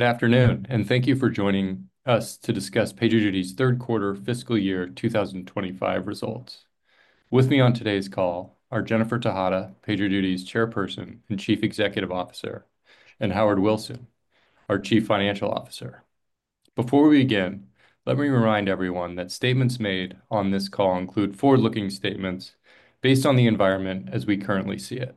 Good afternoon, and thank you for joining us to discuss PagerDuty's third quarter fiscal year 2025 results. With me on today's call are Jennifer Tejada, PagerDuty's Chairperson and Chief Executive Officer, and Howard Wilson, our Chief Financial Officer. Before we begin, let me remind everyone that statements made on this call include forward-looking statements based on the environment as we currently see it,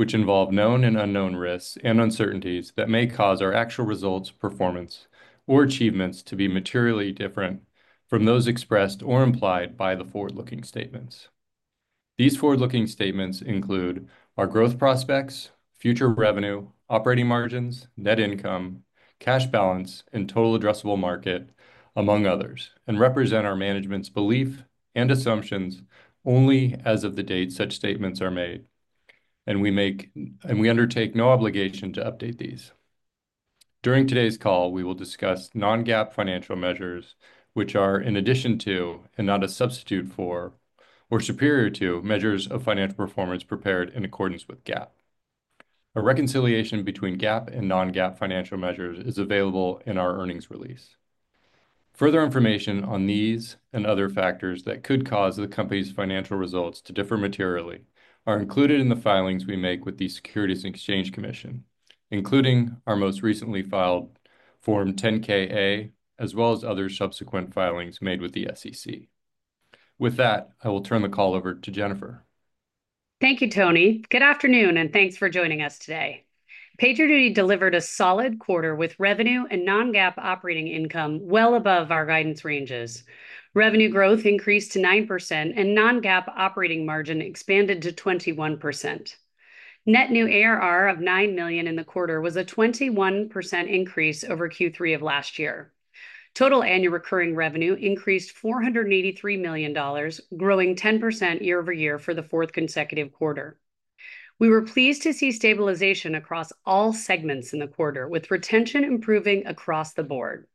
which involve known and unknown risks and uncertainties that may cause our actual results, performance, or achievements to be materially different from those expressed or implied by the forward-looking statements. These forward-looking statements include our growth prospects, future revenue, operating margins, net income, cash balance, and total addressable market, among others, and represent our management's belief and assumptions only as of the date such statements are made, and we undertake no obligation to update these. During today's call, we will discuss non-GAAP financial measures, which are in addition to, and not a substitute for, or superior to measures of financial performance prepared in accordance with GAAP. A reconciliation between GAAP and non-GAAP financial measures is available in our earnings release. Further information on these and other factors that could cause the company's financial results to differ materially are included in the filings we make with the Securities and Exchange Commission, including our most recently filed Form 10-KA, as well as other subsequent filings made with the SEC. With that, I will turn the call over to Jennifer. Thank you, Tony. Good afternoon, and thanks for joining us today. PagerDuty delivered a solid quarter with revenue and non-GAAP operating income well above our guidance ranges. Revenue growth increased to 9%, and non-GAAP operating margin expanded to 21%. Net new ARR of $9 million in the quarter was a 21% increase over Q3 of last year. Total annual recurring revenue increased $483 million, growing 10% year over year for the fourth consecutive quarter. We were pleased to see stabilization across all segments in the quarter, with retention improving across the board.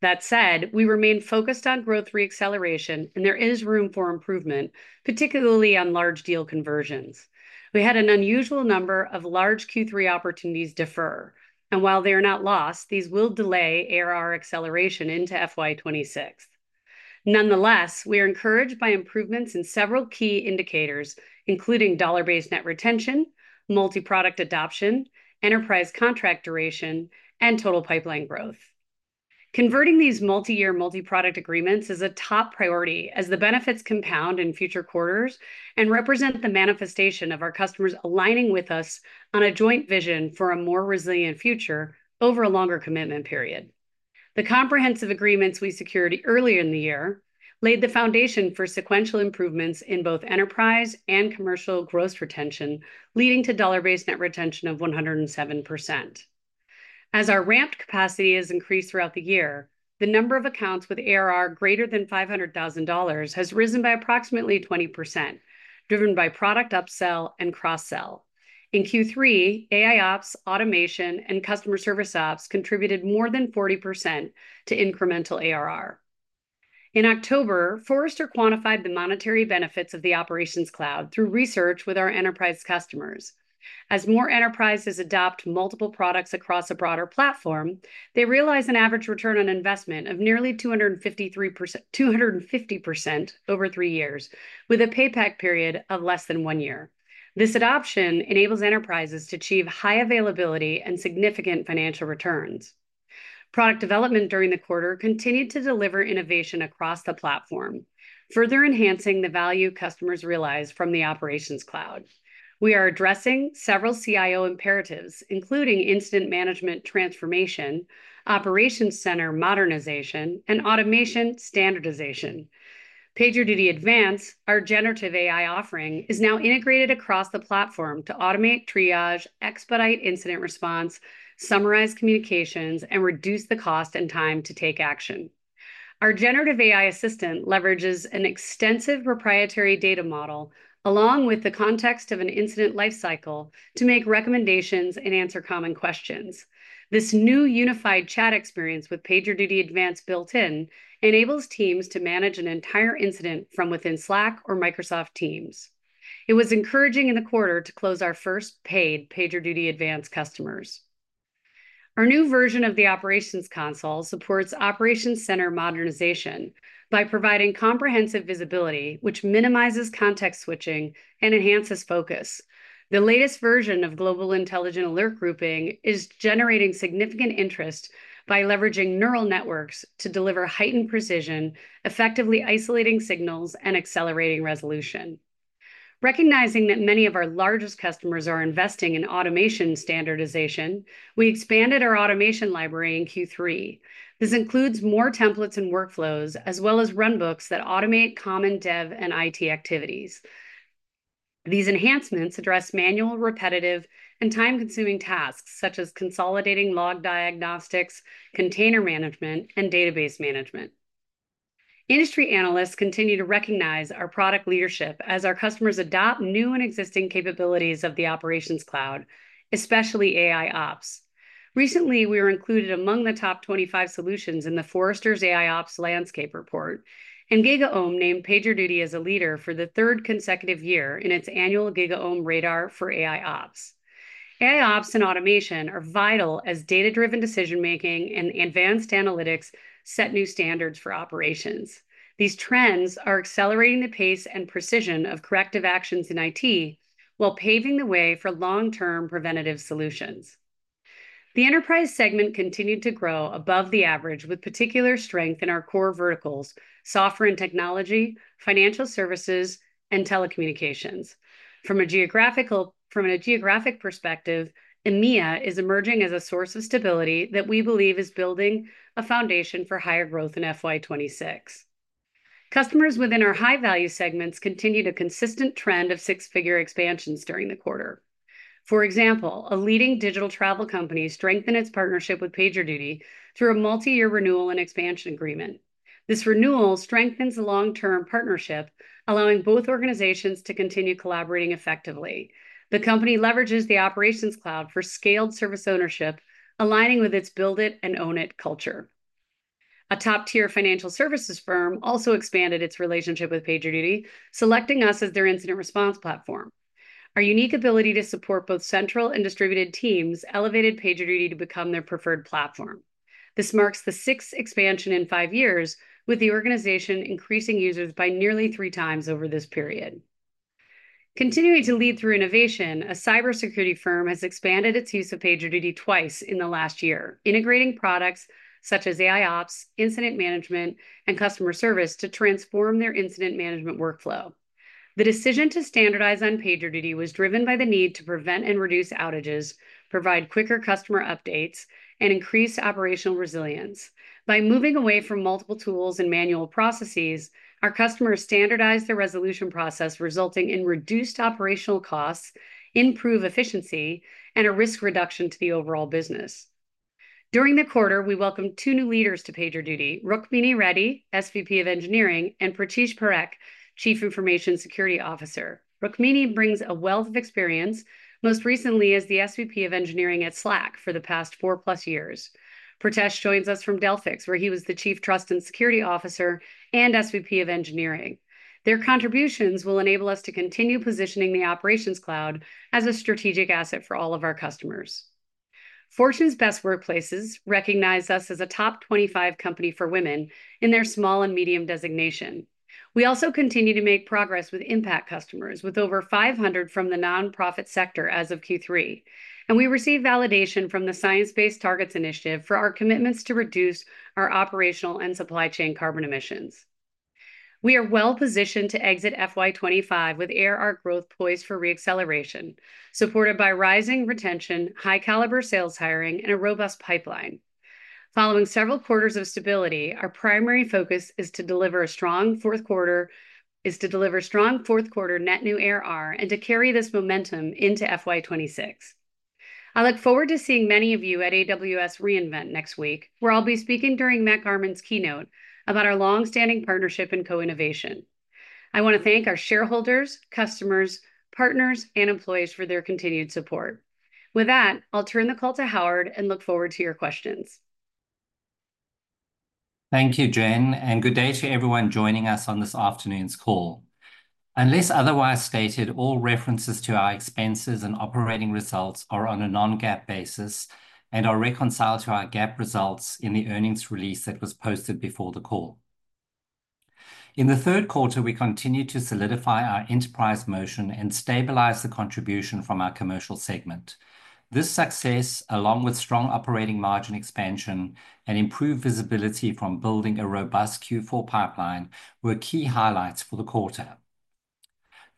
That said, we remain focused on growth re-acceleration, and there is room for improvement, particularly on large deal conversions. We had an unusual number of large Q3 opportunities defer, and while they are not lost, these will delay ARR acceleration into FY26. Nonetheless, we are encouraged by improvements in several key indicators, including dollar-based net retention, multi-product adoption, enterprise contract duration, and total pipeline growth. Converting these multi-year multi-product agreements is a top priority as the benefits compound in future quarters and represent the manifestation of our customers aligning with us on a joint vision for a more resilient future over a longer commitment period. The comprehensive agreements we secured earlier in the year laid the foundation for sequential improvements in both enterprise and commercial gross retention, leading to dollar-based net retention of 107%. As our ramped capacity has increased throughout the year, the number of accounts with ARR greater than $500,000 has risen by approximately 20%, driven by product upsell and cross-sell. In Q3, AIOps, automation, and customer service ops contributed more than 40% to incremental ARR. In October, Forrester quantified the monetary benefits of the Operations Cloud through research with our enterprise customers. As more enterprises adopt multiple products across a broader platform, they realize an average return on investment of nearly 250% over three years, with a payback period of less than one year. This adoption enables enterprises to achieve high availability and significant financial returns. Product development during the quarter continued to deliver innovation across the platform, further enhancing the value customers realize from the Operations Cloud. We are addressing several CIO imperatives, including incident management transformation, operations center modernization, and automation standardization. PagerDuty Advance, our Generative AI offering, is now integrated across the platform to automate, triage, expedite incident response, summarize communications, and reduce the cost and time to take action. Our generative AI assistant leverages an extensive proprietary data model along with the context of an incident lifecycle to make recommendations and answer common questions. This new unified chat experience with PagerDuty Advance built-in enables teams to manage an entire incident from within Slack or Microsoft Teams. It was encouraging in the quarter to close our first paid PagerDuty Advance customers. Our new version of the operations console supports operations center modernization by providing comprehensive visibility, which minimizes context switching and enhances focus. The latest version of Global Intelligent Alert Grouping is generating significant interest by leveraging neural networks to deliver heightened precision, effectively isolating signals and accelerating resolution. Recognizing that many of our largest customers are investing in automation standardization, we expanded our automation library in Q3. This includes more templates and workflows, as well as runbooks that automate common dev and IT activities. These enhancements address manual, repetitive, and time-consuming tasks such as consolidating log diagnostics, container management, and database management. Industry analysts continue to recognize our product leadership as our customers adopt new and existing capabilities of the Operations Cloud, especially AIOps. Recently, we were included among the top 25 solutions in the Forrester's AIOps Landscape Report, and GigaOm named PagerDuty as a leader for the third consecutive year in its annual GigaOm Radar for AIOps. AIOps and automation are vital as data-driven decision-making and advanced analytics set new standards for operations. These trends are accelerating the pace and precision of corrective actions in IT while paving the way for long-term preventative solutions. The enterprise segment continued to grow above the average with particular strength in our core verticals: software and technology, financial services, and telecommunications. From a geographic perspective, EMEA is emerging as a source of stability that we believe is building a foundation for higher growth in FY26. Customers within our high-value segments continue to consistent trend of six-figure expansions during the quarter. For example, a leading digital travel company strengthened its partnership with PagerDuty through a multi-year renewal and expansion agreement. This renewal strengthens the long-term partnership, allowing both organizations to continue collaborating effectively. The company leverages the Operations Cloud for scaled service ownership, aligning with its build-it-and-own-it culture. A top-tier financial services firm also expanded its relationship with PagerDuty, selecting us as their incident response platform. Our unique ability to support both central and distributed teams elevated PagerDuty to become their preferred platform. This marks the sixth expansion in five years, with the organization increasing users by nearly three times over this period. Continuing to lead through innovation, a cybersecurity firm has expanded its use of PagerDuty twice in the last year, integrating products such as AIOps, incident management, and customer service to transform their incident management workflow. The decision to standardize on PagerDuty was driven by the need to prevent and reduce outages, provide quicker customer updates, and increase operational resilience. By moving away from multiple tools and manual processes, our customers standardized their resolution process, resulting in reduced operational costs, improved efficiency, and a risk reduction to the overall business. During the quarter, we welcomed two new leaders to PagerDuty: Rukmini Reddy, SVP of Engineering, and Pratish Parekh, Chief Information Security Officer. Rukmini brings a wealth of experience, most recently as the SVP of Engineering at Slack for the past four plus years. Pratish joins us from Delphix, where he was the Chief Information Security Officer and SVP of Engineering. Their contributions will enable us to continue positioning the Operations Cloud as a strategic asset for all of our customers. Fortune's Best Workplaces recognized us as a top 25 company for women in their small and medium designation. We also continue to make progress with impact customers, with over 500 from the nonprofit sector as of Q3, and we received validation from the Science Based Targets initiative for our commitments to reduce our operational and supply chain carbon emissions. We are well-positioned to exit FY25 with ARR growth poised for re-acceleration, supported by rising retention, high-caliber sales hiring, and a robust pipeline. Following several quarters of stability, our primary focus is to deliver a strong fourth quarter Net New ARR and to carry this momentum into FY26. I look forward to seeing many of you at AWS re:Invent next week, where I'll be speaking during Matt Garman's keynote about our long-standing partnership and co-innovation. I want to thank our shareholders, customers, partners, and employees for their continued support. With that, I'll turn the call to Howard and look forward to your questions. Thank you, Jen, and good day to everyone joining us on this afternoon's call. Unless otherwise stated, all references to our expenses and operating results are on a non-GAAP basis and are reconciled to our GAAP results in the earnings release that was posted before the call. In the third quarter, we continued to solidify our enterprise motion and stabilize the contribution from our commercial segment. This success, along with strong operating margin expansion and improved visibility from building a robust Q4 pipeline, were key highlights for the quarter.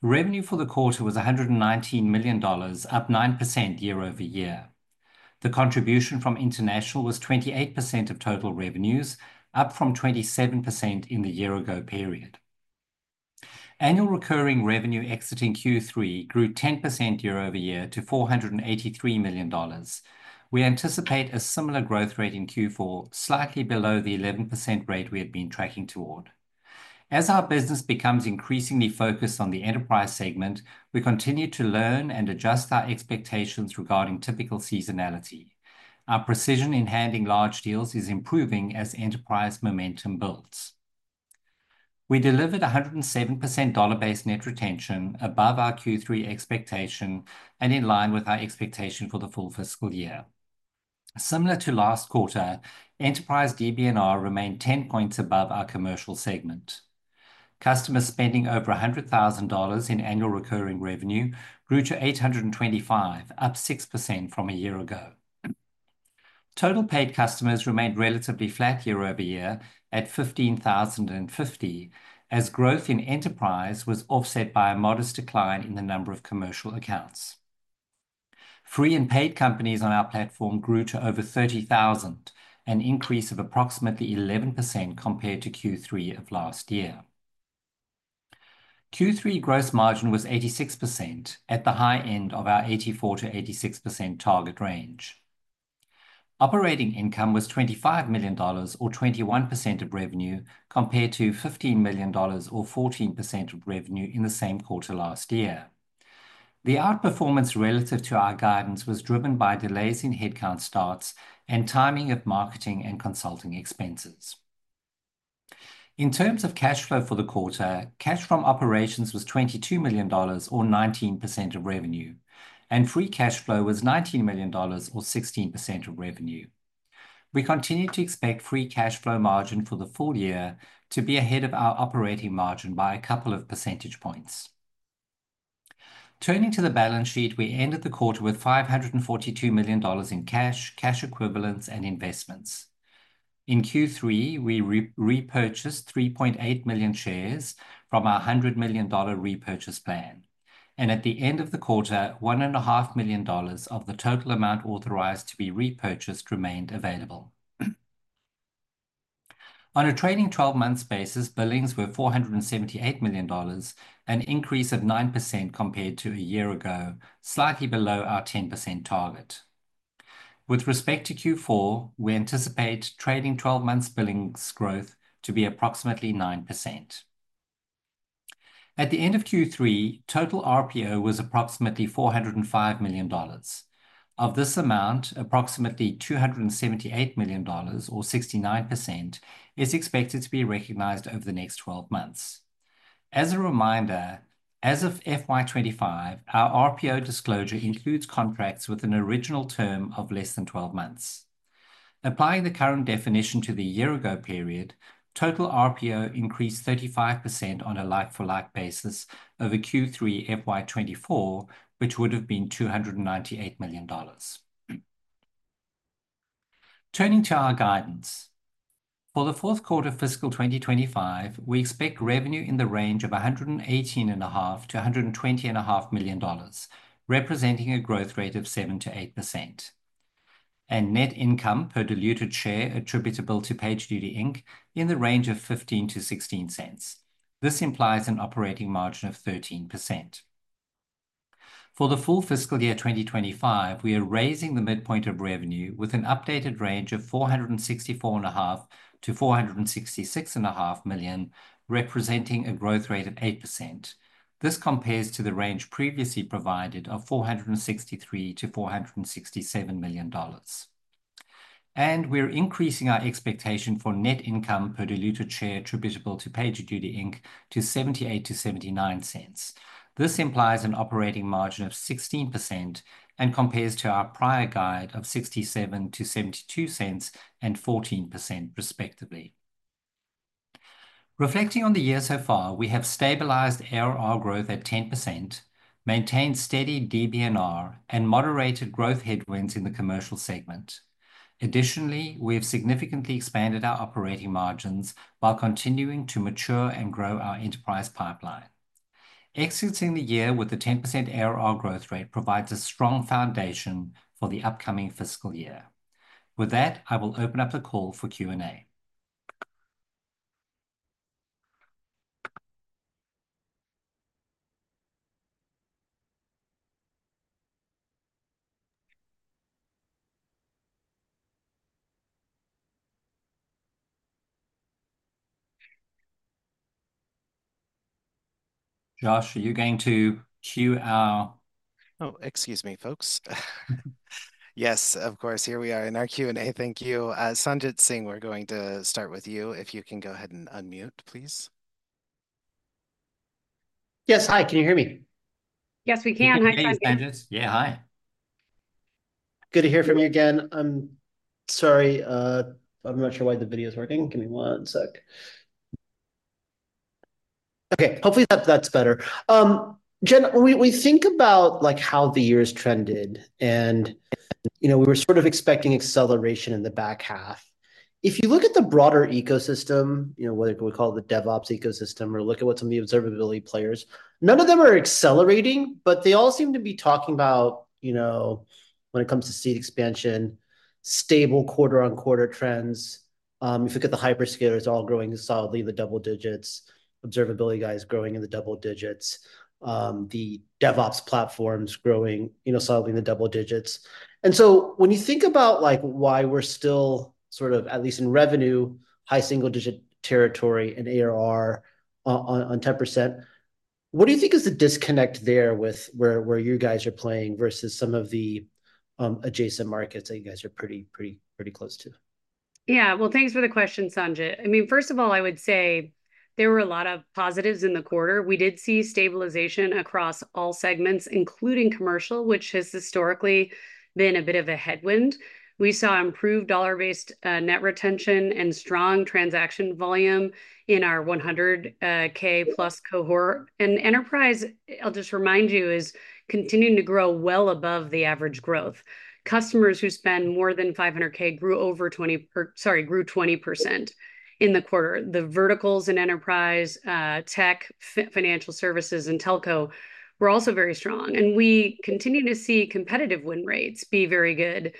Revenue for the quarter was $119 million, up 9% year over year. The contribution from international was 28% of total revenues, up from 27% in the year-ago period. Annual recurring revenue exiting Q3 grew 10% year over year to $483 million. We anticipate a similar growth rate in Q4, slightly below the 11% rate we had been tracking toward. As our business becomes increasingly focused on the enterprise segment, we continue to learn and adjust our expectations regarding typical seasonality. Our precision in handling large deals is improving as enterprise momentum builds. We delivered 107% dollar-based net retention above our Q3 expectation and in line with our expectation for the full fiscal year. Similar to last quarter, enterprise DBNR remained 10 points above our commercial segment. Customers spending over $100,000 in annual recurring revenue grew to 825, up 6% from a year ago. Total paid customers remained relatively flat year over year at 15,050, as growth in enterprise was offset by a modest decline in the number of commercial accounts. Free and paid companies on our platform grew to over 30,000, an increase of approximately 11% compared to Q3 of last year. Q3 gross margin was 86% at the high end of our 84% to 86% target range. Operating income was $25 million, or 21% of revenue, compared to $15 million, or 14% of revenue in the same quarter last year. The outperformance relative to our guidance was driven by delays in headcount starts and timing of marketing and consulting expenses. In terms of cash flow for the quarter, cash from operations was $22 million, or 19% of revenue, and free cash flow was $19 million, or 16% of revenue. We continue to expect free cash flow margin for the full year to be ahead of our operating margin by a couple of percentage points. Turning to the balance sheet, we ended the quarter with $542 million in cash, cash equivalents, and investments. In Q3, we repurchased 3.8 million shares from our $100 million repurchase plan. And at the end of the quarter, $1.5 million of the total amount authorized to be repurchased remained available. On a trading 12-month basis, billings were $478 million, an increase of 9% compared to a year ago, slightly below our 10% target. With respect to Q4, we anticipate trading 12-month billings growth to be approximately 9%. At the end of Q3, total RPO was approximately $405 million. Of this amount, approximately $278 million, or 69%, is expected to be recognized over the next 12 months. As a reminder, as of FY25, our RPO disclosure includes contracts with an original term of less than 12 months. Applying the current definition to the year-ago period, total RPO increased 35% on a like-for-like basis over Q3 FY24, which would have been $298 million. Turning to our guidance, for the fourth quarter fiscal 2025, we expect revenue in the range of $118.5 to $120.5 million, representing a growth rate of 7% to 8%, and net income per diluted share attributable to PagerDuty Inc. In the range of $0.15 to $0.16. This implies an operating margin of 13%. For the full fiscal year 2025, we are raising the midpoint of revenue with an updated range of $464.5 to 466.5 million, representing a growth rate of 8%. This compares to the range previously provided of $463 to 467 million. And we are increasing our expectation for net income per diluted share attributable to PagerDuty Inc. to $0.78 to 0.79. This implies an operating margin of 16% and compares to our prior guide of $0.67 to 0.72 and 14%, respectively. Reflecting on the year so far, we have stabilized ARR growth at 10%, maintained steady DBNR, and moderated growth headwinds in the commercial segment. Additionally, we have significantly expanded our operating margins while continuing to mature and grow our enterprise pipeline. Exiting the year with a 10% ARR growth rate provides a strong foundation for the upcoming fiscal year. With that, I will open up the call for Q&A. Josh, are you going to cue our... Oh, excuse me, folks. Yes, of course. Here we are in our Q&A. Thank you. Sanjit Singh, we're going to start with you. If you can go ahead and unmute, please. Yes, hi. Can you hear me? Yes, we can. Hi, Sanjit. Thanks, Sanjit. Yeah, hi. Good to hear from you again. I'm sorry. I'm not sure why the video is working. Give me one sec. Okay, hopefully that's better. Jane, we think about how the year has trended, and we were sort of expecting acceleration in the back half. If you look at the broader ecosystem, whether we call it the DevOps ecosystem or look at what some of the observability players, none of them are accelerating, but they all seem to be talking about, when it comes to seat expansion, stable quarter-on-quarter trends. If you look at the hyperscalers, all growing solidly in the double digits. Observability guys growing in the double digits. The DevOps platforms growing solidly in the double digits. And so, when you think about why we're still, at least in revenue, high single-digit territory in ARR on 10%, what do you think is the disconnect there with where you guys are playing versus some of the adjacent markets that you guys are pretty close to? Yeah, well, thanks for the question, Sanjit. I mean, first of all, I would say there were a lot of positives in the quarter. We did see stabilization across all segments, including commercial, which has historically been a bit of a headwind. We saw improved dollar-based net retention and strong transaction volume in our 100K plus cohort. And enterprise, I'll just remind you, is continuing to grow well above the average growth. Customers who spend more than 500K grew over 20% in the quarter. The verticals in enterprise, tech, financial services, and telco were also very strong. And we continue to see competitive win rates be very good.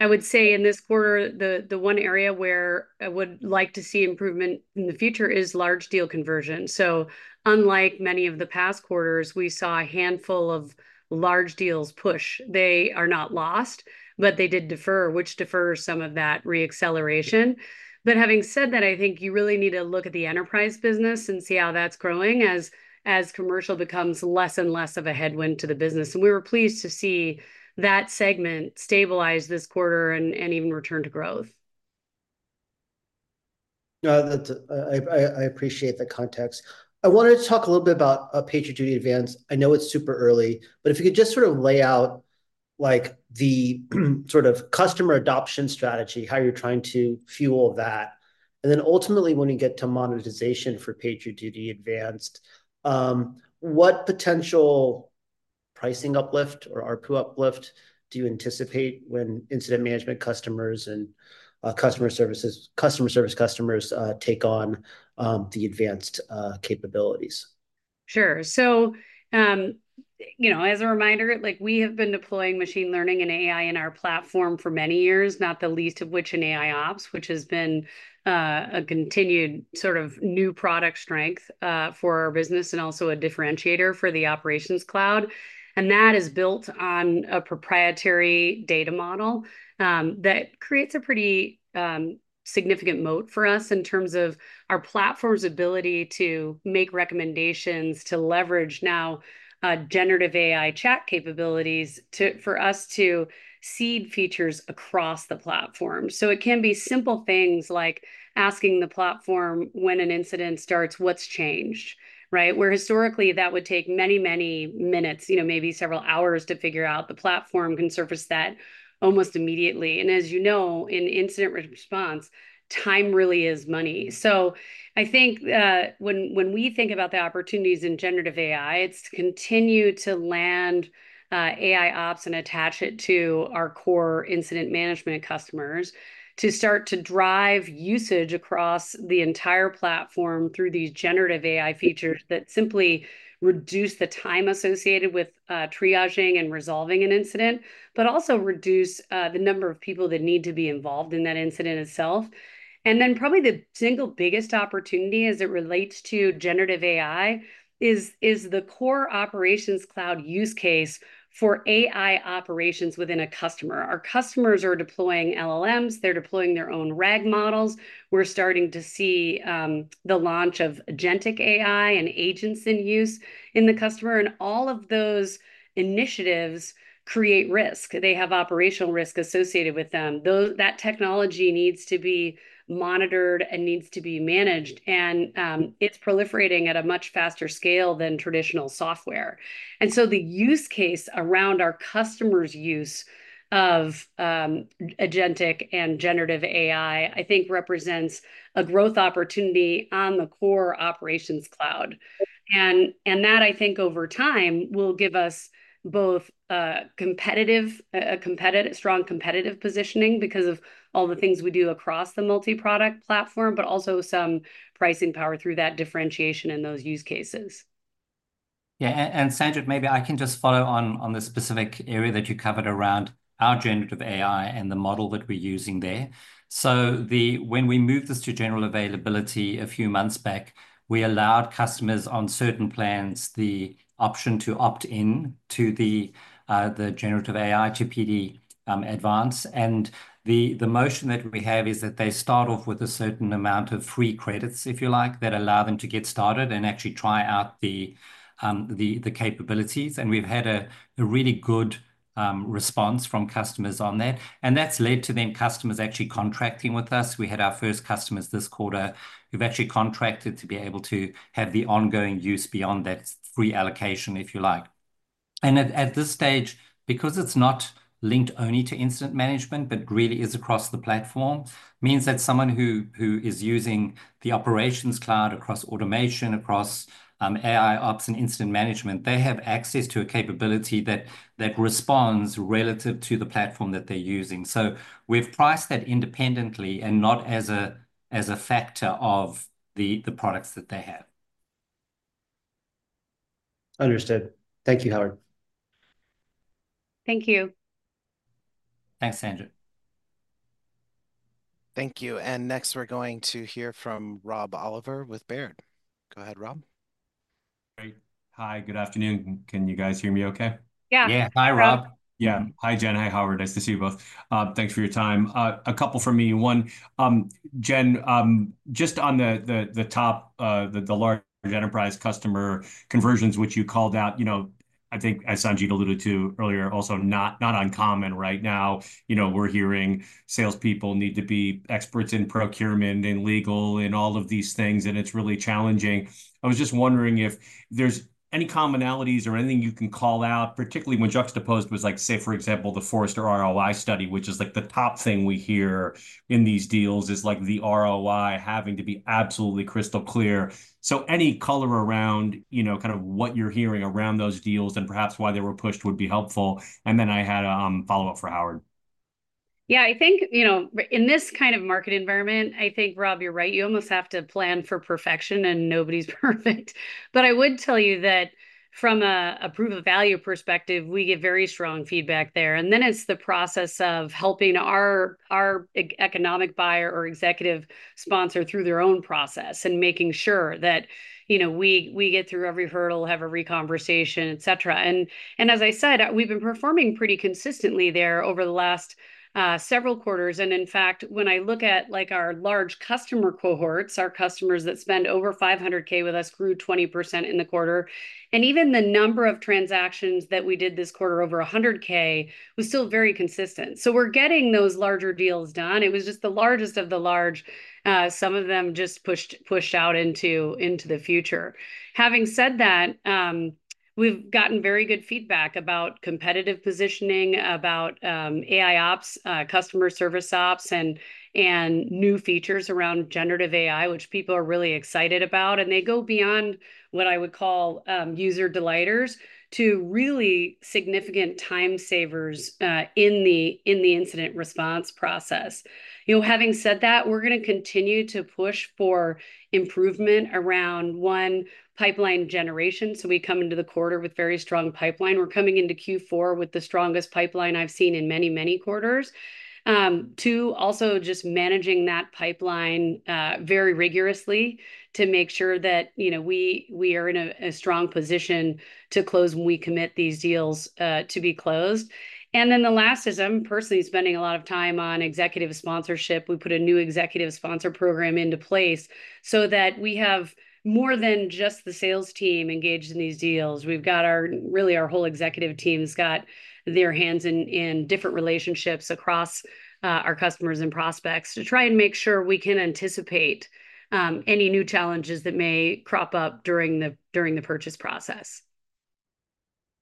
I would say in this quarter, the one area where I would like to see improvement in the future is large deal conversion. So unlike many of the past quarters, we saw a handful of large deals push. They are not lost, but they did defer, which defers some of that re-acceleration. But having said that, I think you really need to look at the enterprise business and see how that's growing as commercial becomes less and less of a headwind to the business. And we were pleased to see that segment stabilize this quarter and even return to growth. No, I appreciate the context. I wanted to talk a little bit about PagerDuty Advance. I know it's super early, but if you could just sort of lay out the customer adoption strategy, how you're trying to fuel that, and then ultimately when you get to monetization for PagerDuty Advance, what potential pricing uplift or RPU uplift do you anticipate when incident management customers and customer service customers take on the advanced capabilities? Sure. As a reminder, we have been deploying machine learning and AI in our platform for many years, not the least of which in AIOps, which has been a continued sort of new product strength for our business and also a differentiator for the operations cloud, and that is built on a proprietary data model that creates a pretty significant moat for us in terms of our platform's ability to make recommendations to leverage now generative AI chat capabilities for us to seed features across the platform. It can be simple things like asking the platform when an incident starts, what's changed, where historically that would take many, many minutes, maybe several hours to figure out. The platform can surface that almost immediately. And as you know, in incident response, time really is money. So I think when we think about the opportunities in generative AI, it's to continue to land AIOps and attach it to our core incident management customers to start to drive usage across the entire platform through these generative AI features that simply reduce the time associated with triaging and resolving an incident, but also reduce the number of people that need to be involved in that incident itself. And then probably the single biggest opportunity as it relates to generative AI is the core operations cloud use case for AI operations within a customer. Our customers are deploying LLMs. They're deploying their own RAG models. We're starting to see the launch of agentic AI and agents in use in the customer. And all of those initiatives create risk. They have operational risk associated with them. That technology needs to be monitored and needs to be managed. And it's proliferating at a much faster scale than traditional software. And so the use case around our customers' use of agentic and generative AI, I think, represents a growth opportunity on the core operations cloud. And that, I think, over time will give us both a strong competitive positioning because of all the things we do across the multi-product platform, but also some pricing power through that differentiation in those use cases. Sanjit, maybe I can just follow on the specific area that you covered around our generative AI and the model that we're using there. When we moved this to general availability a few months back, we allowed customers on certain plans the option to opt in to the generative AI to PD Advance. And the motion that we have is that they start off with a certain amount of free credits, if you like, that allow them to get started and actually try out the capabilities. We've had a really good response from customers on that. And that's led to then customers actually contracting with us. We had our first customers this quarter who've actually contracted to be able to have the ongoing use beyond that free allocation, if you like. At this stage, because it's not linked only to incident management, but really is across the platform, means that someone who is using the Operations Cloud across automation, across AIOps and incident management, they have access to a capability that responds relative to the platform that they're using. We've priced that independently and not as a factor of the products that they have. Understood. Thank you, Howard. Thank you. Thanks, Sanjit. Thank you. And next, we're going to hear from Rob Oliver with Baird. Go ahead, Rob. Hi, good afternoon. Can you guys hear me okay? Hi, Rob. Hi, Jen. Hi, Howard. Nice to see you both. Thanks for your time. A couple for me. One, Jen, just on the top, the large enterprise customer conversions, which you called out, I think, as Sanjit alluded to earlier, also not uncommon right now. We're hearing salespeople need to be experts in procurement, in legal, in all of these things, and it's really challenging. I was just wondering if there's any commonalities or anything you can call out, particularly when juxtaposed with, say, for example, the Forrester ROI study, which is the top thing we hear in these deals, is the ROI having to be absolutely crystal clear. So any color around kind of what you're hearing around those deals and perhaps why they were pushed would be helpful. And then I had a follow-up for Howard. I think in this kind of market environment, I think, Rob, you're right. You almost have to plan for perfection, and nobody's perfect. I would tell you that from a proof of value perspective, we get very strong feedback there. Then it's the process of helping our economic buyer or executive sponsor through their own process and making sure that we get through every hurdle, have every conversation, et cetera. As I said, we've been performing pretty consistently there over the last several quarters. And in fact, when I look at our large customer cohorts, our customers that spend over $500K with us grew 20% in the quarter. Even the number of transactions that we did this quarter over $100K was still very consistent. So we're getting those larger deals done. It was just the largest of the large. Some of them just pushed out into the future. Having said that, we've gotten very good feedback about competitive positioning, about AIOps, customer service ops, and new features around generative AI, which people are really excited about, and they go beyond what I would call user delighters to really significant time savers in the incident response process. Having said that, we're going to continue to push for improvement around one, pipeline generation so we come into the quarter with very strong pipeline. We're coming into Q4 with the strongest pipeline I've seen in many, many quarters. Two, also just managing that pipeline very rigorously to make sure that we are in a strong position to close when we commit these deals to be closed, and then the last is I'm personally spending a lot of time on executive sponsorship. We put a new executive sponsor program into place so that we have more than just the sales team engaged in these deals. We've got really our whole executive team's got their hands in different relationships across our customers and prospects to try and make sure we can anticipate any new challenges that may crop up during the purchase process.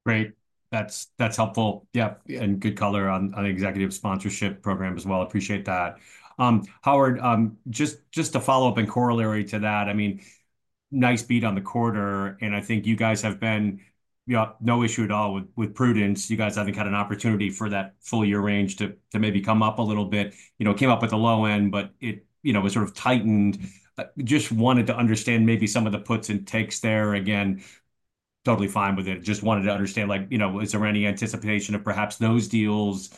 Great. That's helpful. Yeah, and good color on the executive sponsorship program as well. Appreciate that. Howard, just to follow up in corollary to that, I mean, nice beat on the quarter. And I think you guys have been no issue at all with prudence. You guys, I think, had an opportunity for that full year range to maybe come up a little bit. It came up at the low end, but it was sort of tightened. Just wanted to understand maybe some of the puts and takes there. Again, totally fine with it. Just wanted to understand, is there any anticipation of perhaps those deals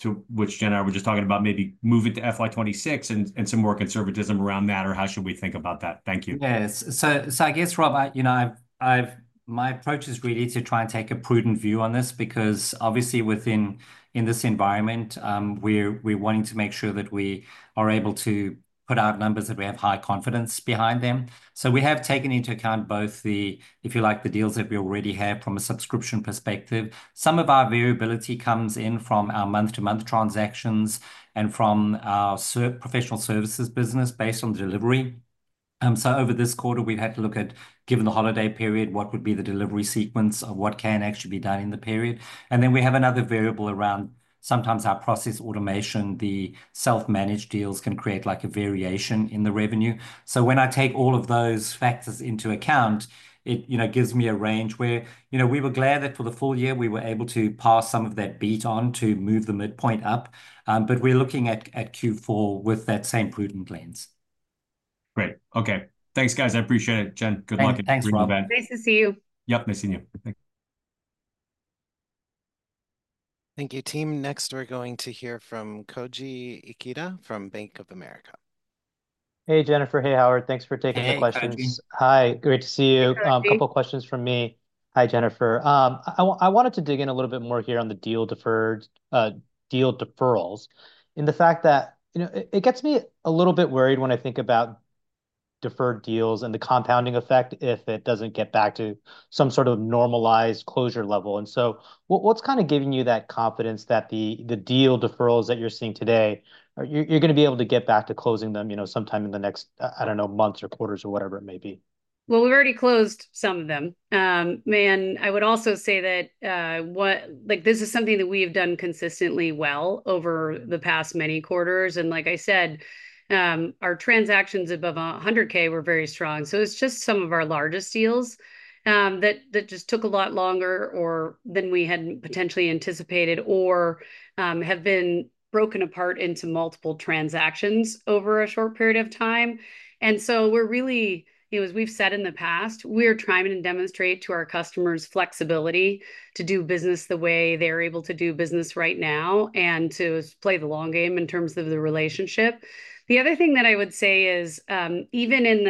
to which Jen and I were just talking about maybe moving to FY26 and some more conservatism around that, or how should we think about that? Thank you. Yes. I guess, Rob, my approach is really to try and take a prudent view on this because obviously within this environment, we're wanting to make sure that we are able to put out numbers that we have high confidence behind them. So we have taken into account both the, if you like, the deals that we already have from a subscription perspective. Some of our variability comes in from our month-to-month transactions and from our professional services business based on delivery. So over this quarter, we've had to look at, given the holiday period, what would be the delivery sequence of what can actually be done in the period. And then we have another variable around sometimes our process automation, the self-managed deals can create a variation in the revenue. When I take all of those factors into account, it gives me a range where we were glad that for the full year, we were able to pass some of that beat on to move the midpoint up. But we're looking at Q4 with that same prudent lens. Great. Okay. Thanks, guys. I appreciate it, Jen. Good luck in the Q4. Thanks, Rob. Nice to see you. Yep, nice seeing you. Thank you, team. Next, we're going to hear from Koji Ikeda from Bank of America. Hey, Jennifer. Hey, Howard. Thanks for taking the questions. Hi, great to see you. A couple of questions from me. Hi, Jennifer. I wanted to dig in a little bit more here on the deal deferrals and the fact that it gets me a little bit worried when I think about deferred deals and the compounding effect if it doesn't get back to some sort of normalized closure level. And so what's kind of giving you that confidence that the deal deferrals that you're seeing today, you're going to be able to get back to closing them sometime in the next, I don't know, months or quarters or whatever it may be? We've already closed some of them. I would also say that this is something that we have done consistently well over the past many quarters. Like I said, our transactions above 100K were very strong. It's just some of our largest deals that just took a lot longer than we had potentially anticipated or have been broken apart into multiple transactions over a short period of time. We're really, as we've said in the past, we are trying to demonstrate to our customers flexibility to do business the way they're able to do business right now and to play the long game in terms of the relationship. The other thing that I would say is even in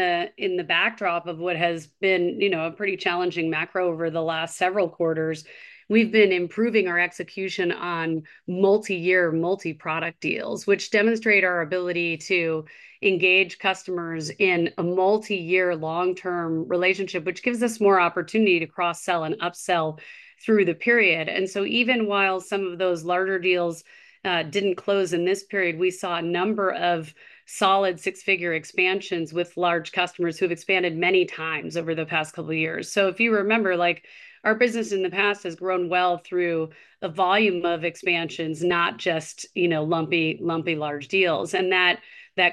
the backdrop of what has been a pretty challenging macro over the last several quarters, we've been improving our execution on multi-year, multi-product deals, which demonstrate our ability to engage customers in a multi-year, long-term relationship, which gives us more opportunity to cross-sell and upsell through the period, and so even while some of those larger deals didn't close in this period, we saw a number of solid six-figure expansions with large customers who have expanded many times over the past couple of years, so if you remember, our business in the past has grown well through a volume of expansions, not just lumpy, large deals, and that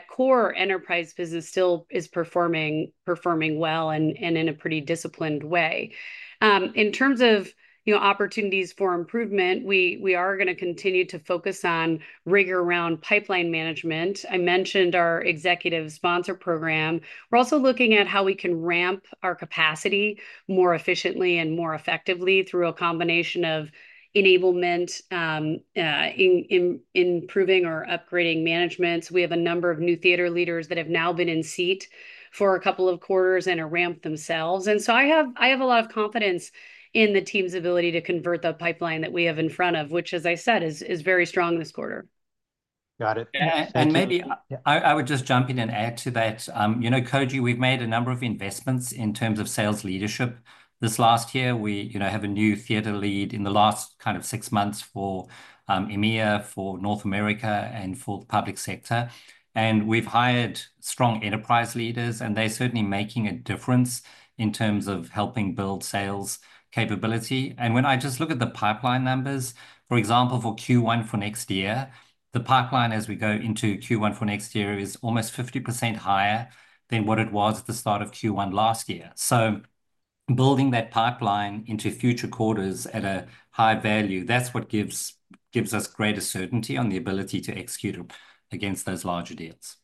core enterprise business still is performing well and in a pretty disciplined way. In terms of opportunities for improvement, we are going to continue to focus on rigor around pipeline management. I mentioned our executive sponsor program. We're also looking at how we can ramp our capacity more efficiently and more effectively through a combination of enablement, improving, or upgrading managements. We have a number of new theater leaders that have now been in seat for a couple of quarters and are ramped themselves, and so I have a lot of confidence in the team's ability to convert the pipeline that we have in front of, which, as I said, is very strong this quarter. Got it. And maybe I would just jump in and add to that. Koji, we've made a number of investments in terms of sales leadership. This last year, we have a new theater lead in the last kind of six months for EMEA, for North America, and for the public sector. And we've hired strong enterprise leaders, and they're certainly making a difference in terms of helping build sales capability. And when I just look at the pipeline numbers, for example, for Q1 for next year, the pipeline as we go into Q1 for next year is almost 50% higher than what it was at the start of Q1 last year. So building that pipeline into future quarters at a high value, that's what gives us greater certainty on the ability to execute against those larger deals.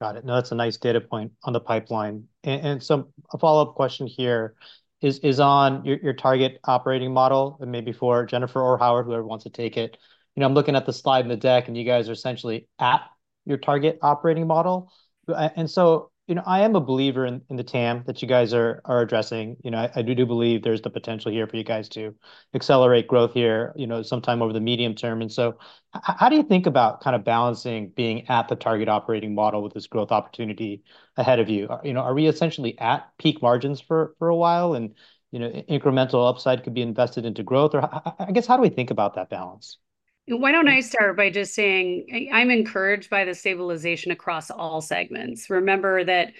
Got it. No, that's a nice data point on the pipeline. And so a follow-up question here is on your target operating model, and maybe for Jennifer or Howard, whoever wants to take it. I'm looking at the slide in the deck, and you guys are essentially at your target operating model. And so I am a believer in the TAM that you guys are addressing. I do believe there's the potential here for you guys to accelerate growth here sometime over the medium term. And so how do you think about kind of balancing being at the target operating model with this growth opportunity ahead of you? Are we essentially at peak margins for a while and incremental upside could be invested into growth? Or I guess, how do we think about that balance? Why don't I start by just saying I'm encouraged by the stabilization across all segments. Remember that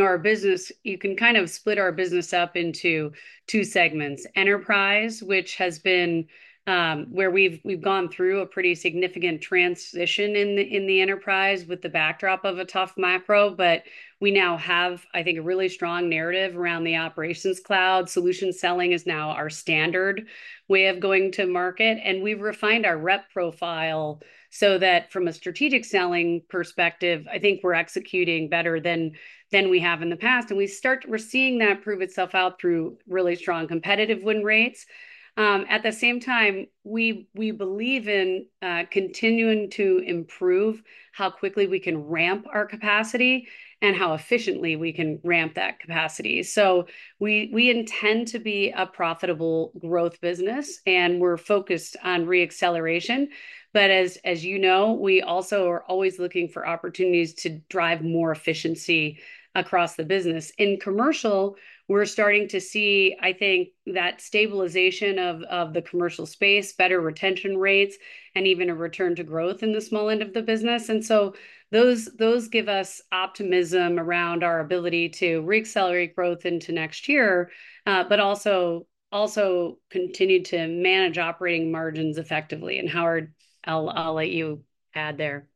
our business, you can kind of split our business up into two segments: enterprise, which has been where we've gone through a pretty significant transition in the enterprise with the backdrop of a tough macro, but we now have, I think, a really strong narrative around the Operations Cloud. Solution selling is now our standard way of going to market. And we've refined our rep profile so that from a strategic selling perspective, I think we're executing better than we have in the past. And we're seeing that prove itself out through really strong competitive win rates. At the same time, we believe in continuing to improve how quickly we can ramp our capacity and how efficiently we can ramp that capacity. So we intend to be a profitable growth business, and we're focused on reacceleration. But as you know, we also are always looking for opportunities to drive more efficiency across the business. In commercial, we're starting to see, I think, that stabilization of the commercial space, better retention rates, and even a return to growth in the small end of the business. And so those give us optimism around our ability to reaccelerate growth into next year, but also continue to manage operating margins effectively. And Howard, I'll let you add there.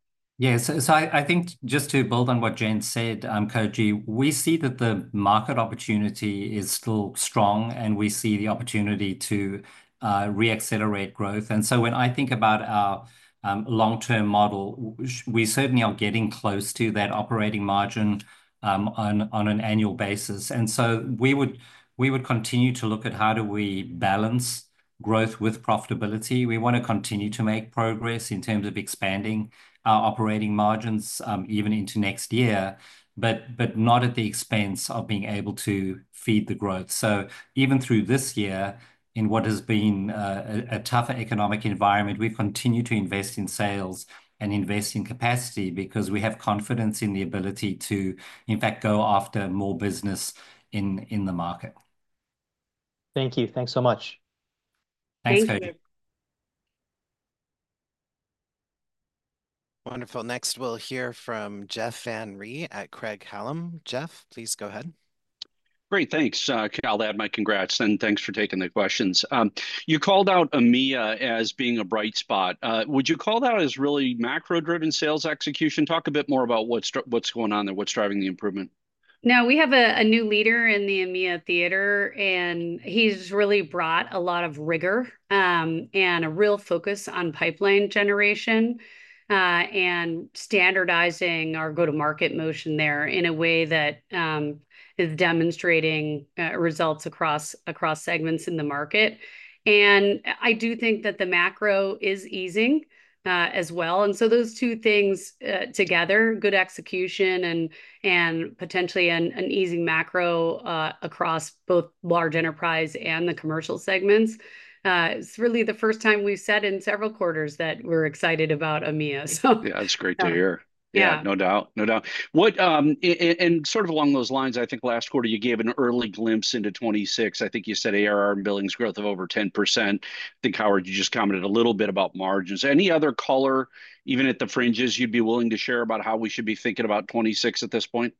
Yeah. I think just to build on what Jen said, Koji, we see that the market opportunity is still strong, and we see the opportunity to reaccelerate growth. When I think about our long-term model, we certainly are getting close to that operating margin on an annual basis. We would continue to look at how we balance growth with profitability. We want to continue to make progress in terms of expanding our operating margins even into next year, but not at the expense of being able to feed the growth. Even through this year, in what has been a tougher economic environment, we continue to invest in sales and invest in capacity because we have confidence in the ability to, in fact, go after more business in the market. Thank you. Thanks so much. Thanks, Koji. Thank you. Wonderful. Next, we'll hear from Jeff Van Rhee at Craig-Hallum Capital Group. Jeff, please go ahead. Great. Thanks. I'll add my congrats, and thanks for taking the questions. You called out EMEA as being a bright spot. Would you call that as really macro-driven sales execution? Talk a bit more about what's going on there, what's driving the improvement. Now, we have a new leader in the EMEA theater, and he's really brought a lot of rigor and a real focus on pipeline generation and standardizing our go-to-market motion there in a way that is demonstrating results across segments in the market. And I do think that the macro is easing as well. And so those two things together, good execution and potentially an easing macro across both large enterprise and the commercial segments, it's really the first time we've said in several quarters that we're excited about EMEA. Yeah, that's great to hear. Yeah, no doubt. No doubt. And sort of along those lines, I think last quarter, you gave an early glimpse into 2026. I think, Howard, you just commented a little bit about margins. Any other color, even at the fringes, you'd be willing to share about how we should be thinking about 2026 at this point?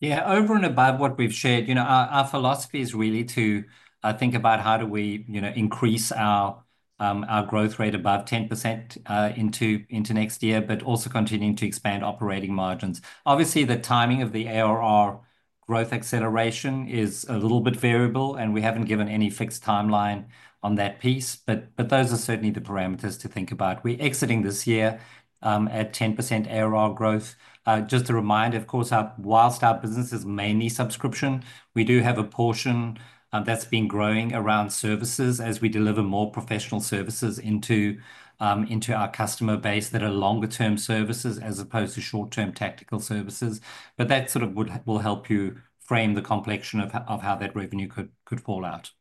Yeah. Over and above what we've shared, our philosophy is really to think about how do we increase our growth rate above 10% into next year, but also continuing to expand operating margins. Obviously, the timing of the ARR growth acceleration is a little bit variable, and we haven't given any fixed timeline on that piece, but those are certainly the parameters to think about. We're exiting this year at 10% ARR growth. Just a reminder, of course, while our business is mainly subscription, we do have a portion that's been growing around services as we deliver more professional services into our customer base that are longer-term services as opposed to short-term tactical services. But that sort of will help you frame the complexion of how that revenue could fall out.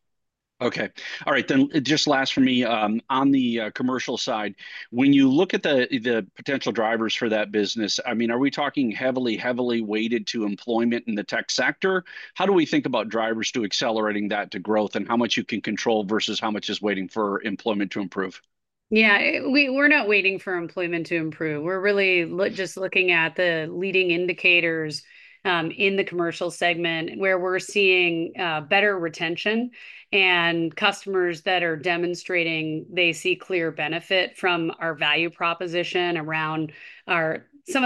Okay. All right. Then just last for me on the commercial side, when you look at the potential drivers for that business, I mean, are we talking heavily, heavily weighted to employment in the tech sector? How do we think about drivers to accelerating that to growth and how much you can control versus how much is waiting for employment to improve? Yeah. We're not waiting for employment to improve. We're really just looking at the leading indicators in the commercial segment where we're seeing better retention and customers that are demonstrating they see clear benefit from our value proposition around some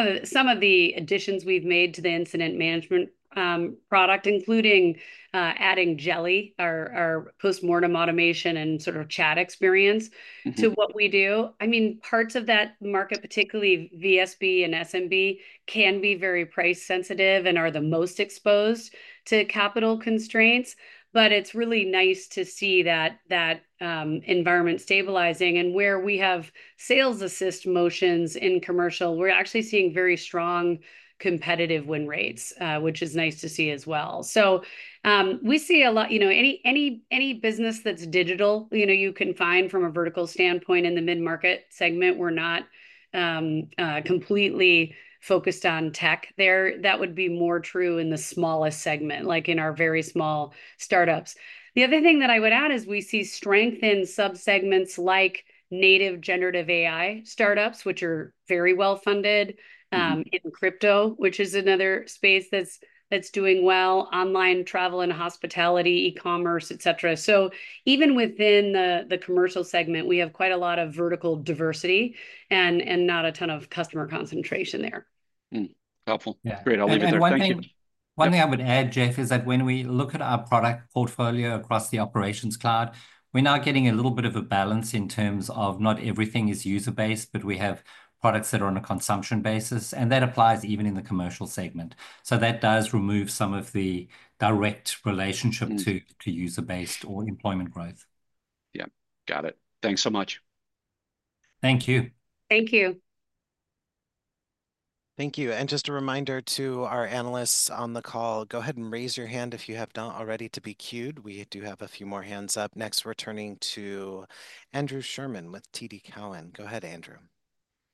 of the additions we've made to the incident management product, including adding Jeli, our post-mortem automation and sort of chat experience to what we do. I mean, parts of that market, particularly VSB and SMB, can be very price-sensitive and are the most exposed to capital constraints. But it's really nice to see that environment stabilizing. And where we have sales assist motions in commercial, we're actually seeing very strong competitive win rates, which is nice to see as well. So we see a lot any business that's digital, you can find from a vertical standpoint in the mid-market segment, we're not completely focused on tech there. That would be more true in the smallest segment, like in our very small startups. The other thing that I would add is we see strength in subsegments like native generative AI startups, which are very well-funded, and crypto, which is another space that's doing well, online travel and hospitality, e-commerce, etc. So even within the commercial segment, we have quite a lot of vertical diversity and not a ton of customer concentration there. Helpful. Great. I'll leave it there. Thank you. One thing I would add, Jeff, is that when we look at our product portfolio across the Operations Cloud, we're now getting a little bit of a balance in terms of not everything is user-based, but we have products that are on a consumption basis, and that applies even in the commercial segment, so that does remove some of the direct relationship to user-based or employment growth. Yeah. Got it. Thanks so much. Thank you. Thank you. Thank you. And just a reminder to our analysts on the call, go ahead and raise your hand if you have not already to be queued. We do have a few more hands up. Next, we're turning to Andrew Sherman with TD Cowen. Go ahead, Andrew.